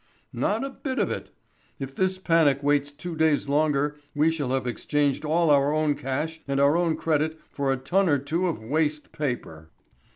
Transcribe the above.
Not a bit of it. If this panic waits two days longer we shall have exchanged all our own cash and our own credit for a ton or two of waste paper."